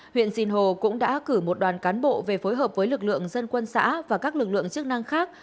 huyện sinh hồ cũng đã cử một đoàn cán bộ về phối hợp với lực lượng dân quân xã và các lực lượng chức năng khác